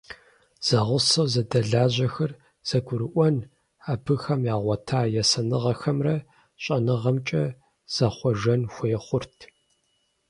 Зэгъусэу зэдэлажьэхэр зэгурыӀуэн, абыхэм ягъуэта есэныгъэхэмрэ щӀэныгъэмкӀэ зэхъуэжэн хуей хъурт.